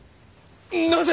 なぜ？